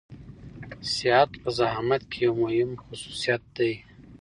صحت په زعامت کې يو مهم خصوصيت دی.